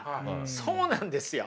そうなんですよ。